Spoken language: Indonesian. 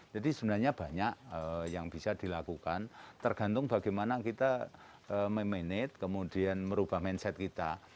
jadi sebenarnya banyak yang bisa dilakukan tergantung bagaimana kita memanate kemudian merubah mindset kita